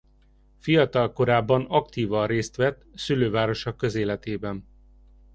Fiatal korában aktívan részt vett szülővárosa közéletében.